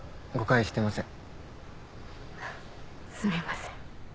あっすみません。